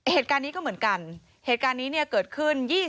เหตุการณ์นี้ก็เหมือนกันเหตุการณ์นี้เนี่ยเกิดขึ้น